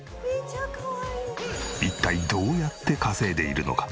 一体どうやって稼いでいるのか？